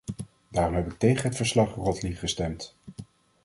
Daarom heb ik tegen het verslag-Rothley gestemd.